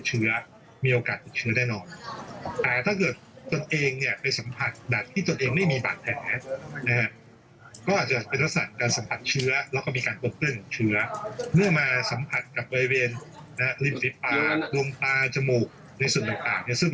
หรือเยื่ออ่อนที่มีโอกาสที่จะทำให้เชื้อเข้าสู่อากาศง่าย